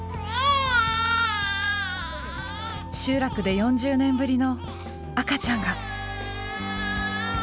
集落で４０年ぶりの赤ちゃんが。